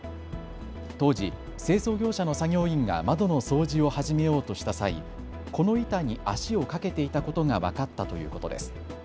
当時、清掃業者の作業員が窓の掃除を始めようとした際、この板に足をかけていたことが分かったということです。